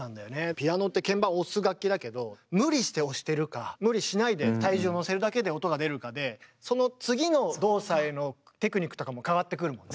ピアノって鍵盤押す楽器だけど無理して押してるか無理しないで体重をのせるだけで音が出るかでその次の動作へのテクニックとかも変わってくるもんね？